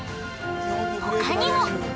ほかにも。